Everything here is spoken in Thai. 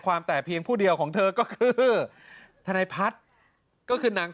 แต่เพียงผู้เดียวของเธอก็คือทนายพัฒน์ก็คือนาง